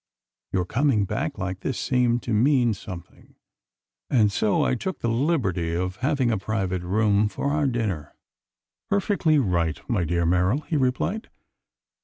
Your coming back like this seemed to mean something, and so I took the liberty of having a private room for our dinner." "Perfectly right, my dear Merrill," he replied.